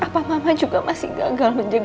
apa mama juga masih gagal menjaga kamu disini